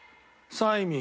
サイミン？